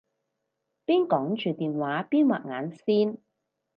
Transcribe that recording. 邊講住電話邊畫眼線